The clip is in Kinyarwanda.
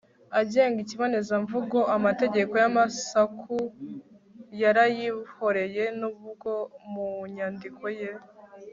agenga ikibonezamvugo. amategeko y'amasaku yarayihoreye n'ubwo mu nyandiko ye